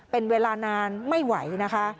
เป็นเวลานานไม่ไหวนะคะ